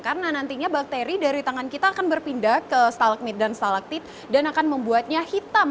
karena nantinya bakteri dari tangan kita akan berpindah ke stalagmit dan stalaktit dan akan membuatnya hitam